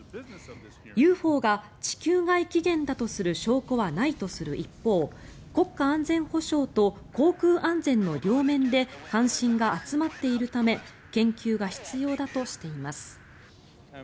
ＵＦＯが地球外起源だとする証拠はないとする一方国家安全保障と航空安全の両面で関心が集まっているため研究が必要だとしています。